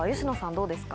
どうですか？